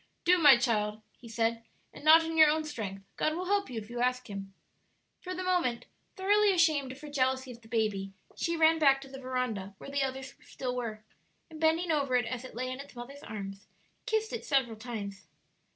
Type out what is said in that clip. "Do, my child," he said; "and not in your own strength; God will help you if you ask Him." For the moment thoroughly ashamed of her jealousy of the baby, she ran back to the veranda, where the others still were, and bending over it as it lay its mother's arms, kissed it several times.